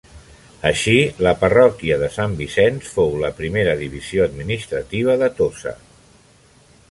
Així, la parròquia de Sant Vicenç fou la primera divisió administrativa de Tossa.